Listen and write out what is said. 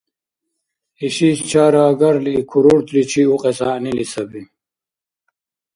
Ишис чараагарли курортличи укьес гӀягӀнили саби